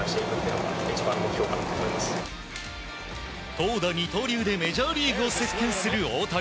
投打二刀流でメジャーリーグを席巻する大谷。